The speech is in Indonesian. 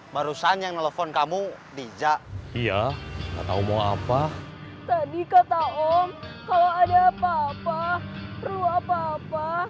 barusan yang nelfon kamu tidak iya atau mau apa tadi kata om kalau ada apa apa perlu apa apa